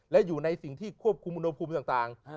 และอยู่ในสิ่งที่ควบคุมอุณหภูมิต่าง